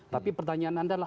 tapi pertanyaan anda adalah